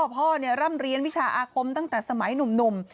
ร่ำเรียนวิชาอาคมตั้งแต่สมัยหนุ่ม